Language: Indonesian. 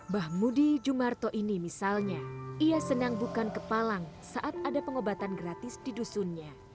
bahmudi jumarto ini misalnya ia senang bukan kepalang saat ada pengobatan gratis di dusunnya